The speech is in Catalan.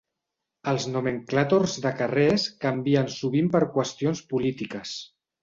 Els nomenclàtors de carrers canvien sovint per qüestions polítiques.